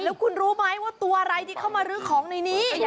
แล้วคุณรู้ไหมว่าตัวอะไรที่เข้ามารื้อของในนี้